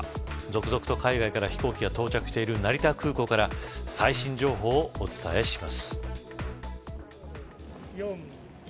続々と海外から飛行機が到着してる成田空港から最新情報をお伝えします。